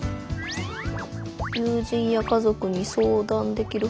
「友人や家族に相談できる」。